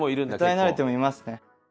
歌い慣れてもいますね。